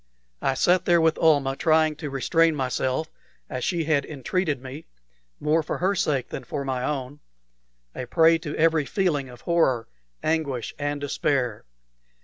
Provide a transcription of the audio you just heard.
I sat there with Almah, trying to restrain myself as she had entreated me, more for her sake than for my own, a prey to every feeling of horror, anguish, and despair.